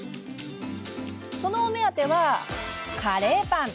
そのお目当てはカレーパン。